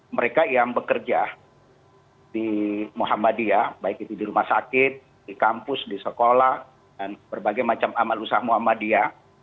mereka yang bekerja di muhammadiyah baik itu di rumah sakit di kampus di sekolah dan berbagai macam amal usaha muhammadiyah